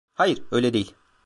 Hayır, öyle değil.